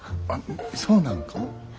あそうなんか？